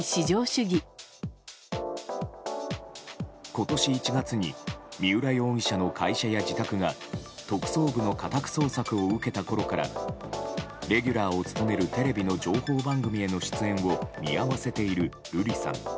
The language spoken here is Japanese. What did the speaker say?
今年１月に三浦容疑者の会社や自宅が特捜部の家宅捜索を受けたころからレギュラーを務めるテレビの情報番組への出演を見合わせている瑠麗さん。